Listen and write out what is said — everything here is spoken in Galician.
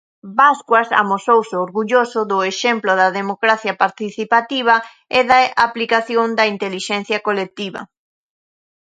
Bascuas amosouse "orgulloso" do "exemplo de democracia participativa e de aplicación da intelixencia colectiva".